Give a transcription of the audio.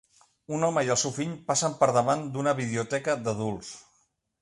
Un home i el seu fill passen per davant d'una videoteca d'adults.